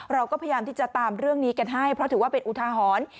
เราก็พยายามที่จะตามเรื่องนี้กันให้เพราะถือว่าเป็นอุทาหรณ์